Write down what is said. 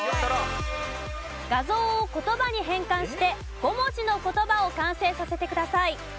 画像を言葉に変換して５文字の言葉を完成させてください。